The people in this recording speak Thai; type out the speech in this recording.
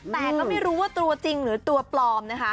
แต่ก็ไม่รู้ว่าตัวจริงหรือตัวปลอมนะคะ